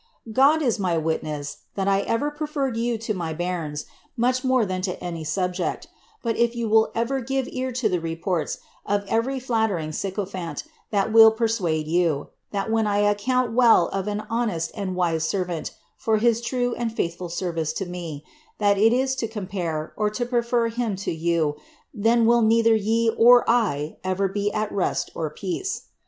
« God is my wimess, that I ever preferred you to my bamu^ much more than tt> any subject ; but if you will ever give ear to the reports of every flattering tycophant that will persuade you, that when I account well of an honest and wise servant for his uue and &ithful service to me, that it is to compare, or to prefer him to you, then will neither ye or I ever be at rest or peace.